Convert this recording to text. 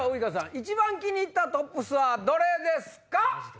一番気に入ったトップスはどれですか？